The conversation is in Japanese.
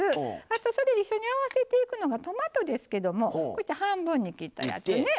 あとそれ一緒に合わせていくのがトマトですけどもこうして半分に切ったやつね